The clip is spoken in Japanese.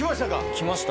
来ました。